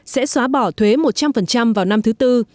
sẽ xóa bỏ thuế một trăm linh vào năm thứ tư